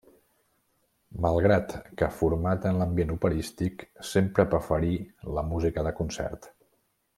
Malgrat que format en l'ambient operístic, sempre preferí la música de concert.